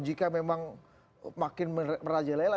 jika memang makin merajalela